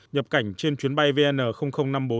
nhập cảnh trên chuyến bay vn năm mươi bốn